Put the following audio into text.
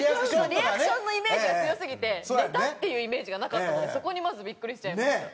リアクションのイメージが強すぎてネタっていうイメージがなかったのでそこにまずビックリしちゃいました。